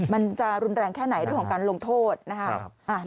มันจะรุนแรงแค่ไหนเรื่องของการลงโทษนะครับ